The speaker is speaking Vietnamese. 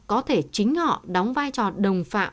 có thể chính họ đóng vai trò đồng phạm